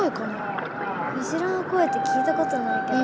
クジラの声って聞いたことないけど。